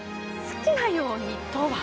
好きなようにとは？